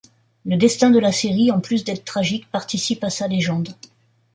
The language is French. Le destin de la série, en plus d'être tragique, participe à sa légende.